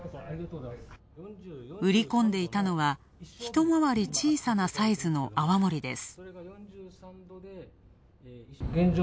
売り込んでいたのはひとまわり小さなサイズの泡盛です。